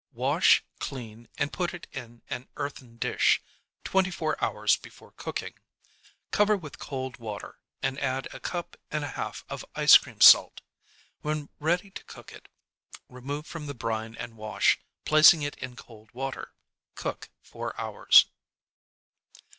Wash, clean and put it in an earthen dish, twenty four hours before cooking. Cover with cold water, and add a cup and a half of ice cream salt. When ready to cook it, remove from the brine and wash, placing it in cold water. Cook four hours.